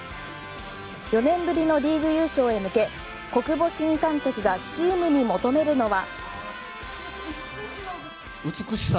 ４年ぶりのリーグ優勝へ向け小久保新監督がチームに求めるのは。